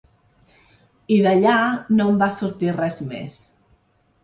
I d’allà no en va sortir res més.